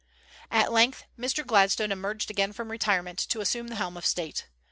At length Mr. Gladstone emerged again from retirement, to assume the helm of State.